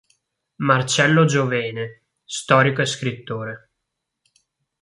Marcello Giovene, storico e scrittore.